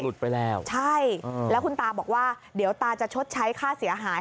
ไปแล้วใช่แล้วคุณตาบอกว่าเดี๋ยวตาจะชดใช้ค่าเสียหาย